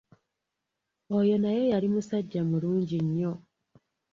Oyo naye yali musajja mulungi nnyo.